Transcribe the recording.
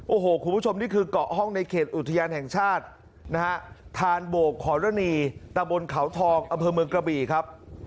โอ้โหคุณผู้ชมนี่คือเกาะห้องในเขตอุทยานแห่งชาตินะฮะทานโบกขอรณีตะบนเขาทองอำเภอเมืองกระบี่ครับ